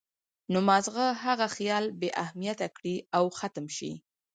نو مازغۀ هغه خيال بې اهميته کړي او ختم شي